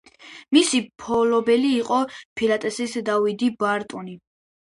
მისი მფლობელი იყო ფილატელისტი დავიდ ბარტონი.